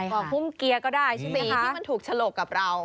ปลอกคุ้มเกียร์ก็ได้สีที่มันถูกฉลกกับเรา